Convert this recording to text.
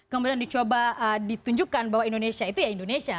kemudian dicoba ditunjukkan bahwa indonesia itu ya indonesia